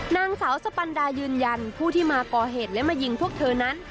นางสาวสปันดายืนยันผู้ที่มาก่อเหตุและมายิงพวกเธอนั้น